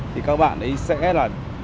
thì các bạn ấy sẽ là